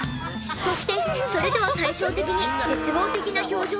そしてそれとは対照的に絶望的な表情のひーちゃん。